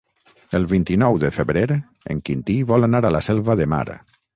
El vint-i-nou de febrer en Quintí vol anar a la Selva de Mar.